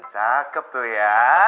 cakep tuh ya